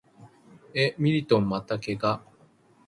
え、ミリトンまた怪我？